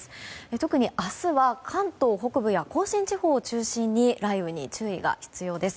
特に明日は関東北部や甲信地方を中心に雷雨に注意が必要です。